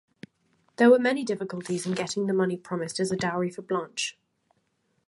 There were many difficulties in getting the money promised as a dowry for Blanche.